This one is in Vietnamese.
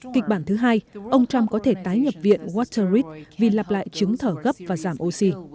kịch bản thứ hai ông trump có thể tái nhập viện waterte vì lặp lại chứng thở gấp và giảm oxy